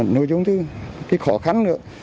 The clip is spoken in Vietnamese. nội dung thứ cái khó khăn nữa